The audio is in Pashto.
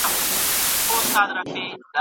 یو ورځ به ځو.